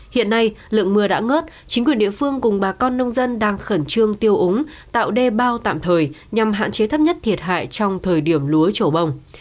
hiện nay lượng mưa đã ngớt chính quyền địa phương cùng bà con nông dân đang khẩn trương tiêu úng tạo đê bao tạm thời nhằm hạn chế thấp nhất thiệt hại trong thời điểm lúa trổ bông